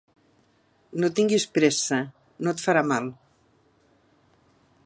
No tinguis pressa, no et farà mal.